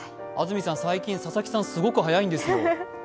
安住さん、最近、佐々木さんがすごく早いんですよ。